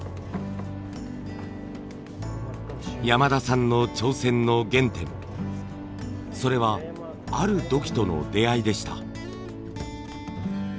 山田さんの挑戦の原点それはある土器との出会いでした。